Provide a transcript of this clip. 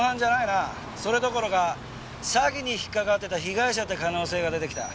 それどころか詐欺に引っかかってた被害者って可能性が出てきた。